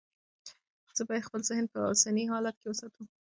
زه باید خپل ذهن په اوسني حالت کې وساتم.